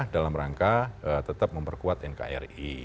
dalam rangka tetap memperkuat nkri